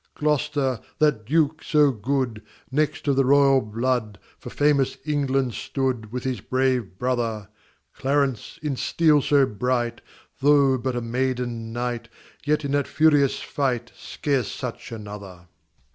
Gloster, that Duke so good, Next of the royal blood, For famous England stood With his brave brother; Clarence, in steel so bright, Though but a maiden knight, Yet in that furious fight, Scarce such another.